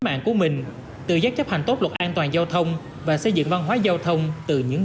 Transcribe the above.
mạng của mình tự giác chấp hành tốt luật an toàn giao thông và xây dựng văn hóa giao thông từ những